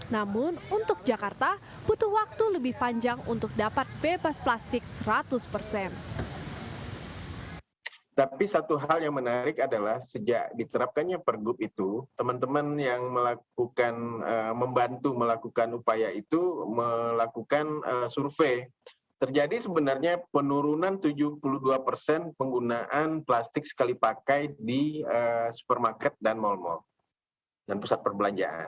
namun untuk jakarta butuh waktu lebih panjang untuk dapat bebas plastik seratus persen